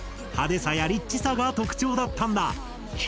派手さやリッチさが特徴だったんだ。